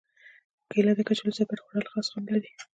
کېله د کچالو سره ګډ خوړل خاص خوند لري.